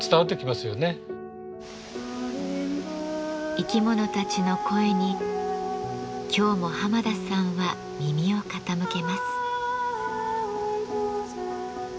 生き物たちの声に今日も浜田さんは耳を傾けます。